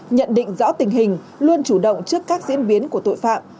nhận định rõ tình hình luôn chủ động trước các diễn biến của tội phạm